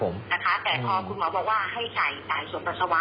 นะคะแต่คุณหมอบอกว่าให้ใส่ส่วนปัสสาวะ